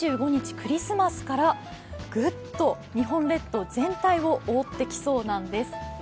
クリスマスから、ぐっと日本列島全体を覆ってきそうなんです。